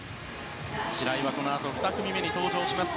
白井はこのあと２組目に登場します。